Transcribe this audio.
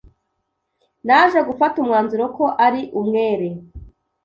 Naje gufata umwanzuro ko ari umwere.